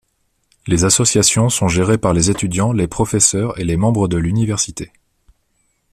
Les associations sont gérées par les étudiants, les professeurs et les membres de l’université.